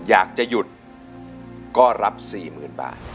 อยากจะหยุดก็รับ๔๐๐๐บาท